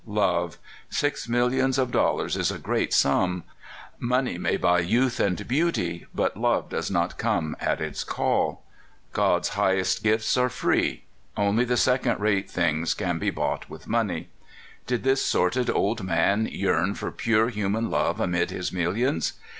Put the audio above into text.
Love! Six millions of dollars is a great sum. Money may buy youth and beauty, but love does not come at its call. God's highest gifts are free; only the second rate things can be bought with money. Did this sordid old man yearn for pure human love amid his millions?